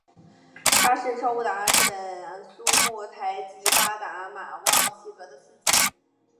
他是昭乌达盟阿鲁科尔沁旗阿日本苏木台吉巴达玛旺其格的次子。